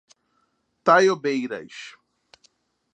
Taiobeiras